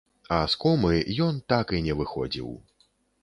А з комы ён так і не выходзіў.